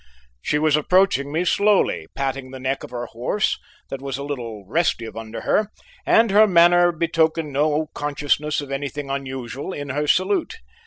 She was approaching me slowly, patting the neck of her horse, that was a little restive under her, and her manner betokened no consciousness of anything unusual in her salute.